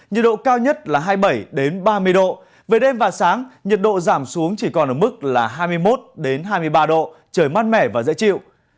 nhiệt độ cao nhất là hai mươi bảy ba mươi độ về đêm và sáng nhiệt độ giảm xuống chỉ còn ở mức là hai mươi một hai mươi ba độ trời mát mẻ và dễ chịu